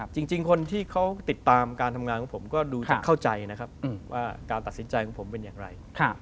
จริงคนที่เขาติดตามการทำงานของผมก็ดูจะเข้าใจนะครับว่าการตัดสินใจของผมเป็นอย่างไร